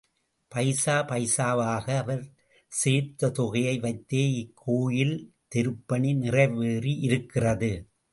பைசா பைசாவாக அவர் சேர்த்த தொகையை வைத்தே இக்கோயில் திருப்பணி நிறைவேறி இருக்கிறது.